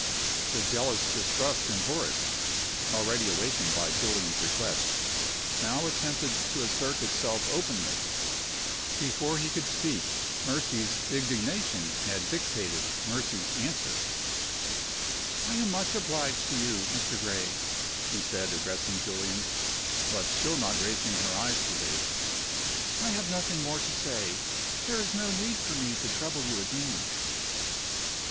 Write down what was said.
The jealous distrust in Horace (already awakened by Julian's request) now attempted to assert itself openly. Before he could speak, Mercy's indignation had dictated Mercy's answer. "I am much obliged to you, Mr. Gray," she said, addressing Julian (but still not raising her eyes to his). "I have nothing more to say. There is no need for me to trouble you again."